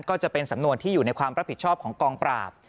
ก็จะเป็นสำนวนที่อยู่ในความรับผิดชอบของกองปราบ